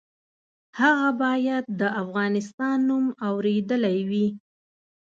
هغه باید د افغانستان نوم اورېدلی وي.